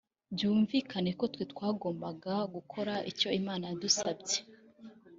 Byumvikane ko twe twagombaga gukora icyo Imana yadusabye